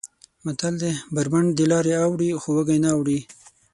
متل دی: بر بنډ دلارې اوړي خو وږی نه اوړي.